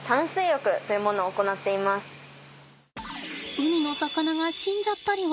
海の魚が死んじゃったりは。